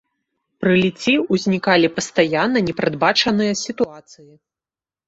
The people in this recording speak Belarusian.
Пры ліцці ўзнікалі пастаянна непрадбачаныя сітуацыі.